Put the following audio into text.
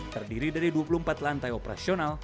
terdiri dari dua puluh empat lantai operasional